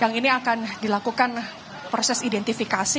yang ini akan dilakukan proses identifikasi